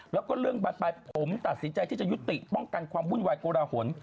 แล้วก็เรื่องบานปลายผมตัดสินใจที่จะยุติป้องกันความวุ่นวายโกรหล